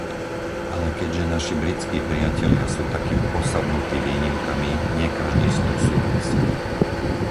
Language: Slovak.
Ale keďže naši britskí priatelia sú takí posadnutí výnimkami, nie každý s ňou súhlasí.